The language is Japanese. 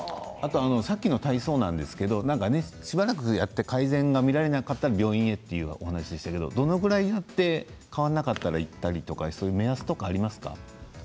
さっきの体操ですけどしばらくやって改善が見られなかったら病院へというお話でしたがどれくらいやって変わらなかったら行ったらいいという目安がありますか。